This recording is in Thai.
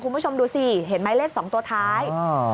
คุณผู้ชมดูสิเห็นไหมเลขสองตัวท้าย